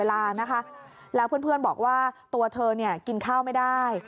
เวลานะคะแล้วเพื่อนบอกว่าตัวเธอเนี่ยกินข้าวไม่ได้